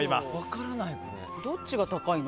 どっちが高いの？